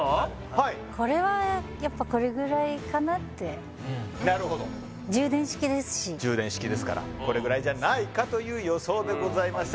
はいこれはやっぱこれぐらいかなってなるほど充電式ですし充電式ですからこれぐらいじゃないかという予想でございました